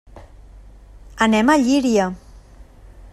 Anem a Llíria.